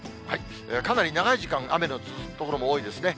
かなり長い時間、雨の続く所も多いですね。